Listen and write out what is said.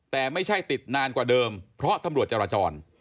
แต่ไม่ใช่ติดนานกว่าเดิมเพราะตำรวจจราจร